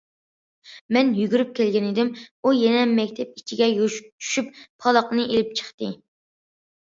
مەن يۈگۈرۈپ كەلگەنىدىم، ئۇ يەنە مەكتەپ ئىچىگە چۈشۈپ، پالاقنى ئېلىپ چىقتى.